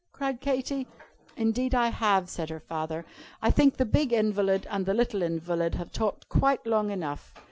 cried Katy. "Indeed I have," said her father. "I think the big invalid and the little invalid have talked quite long enough.